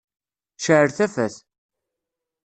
Cεel tafat.